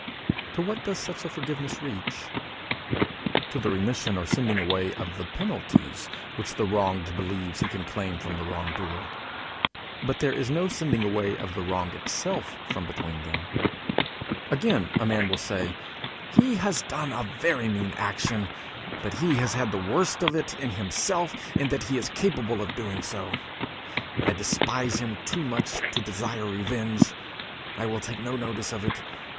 To what does such a forgiveness reach? To the remission or sending away of the penalties which the wronged believes he can claim from the wrong doer. But there is no sending away of the wrong itself from between them. Again, a man will say: "He has done a very mean action, but he has the worst of it himself in that he is capable of doing so. I despise him too much to desire revenge. I will take no notice of it.